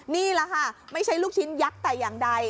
นี่แหละค่ะไม่ใช่ลูกชิ้นยักษ์แต่อย่างใด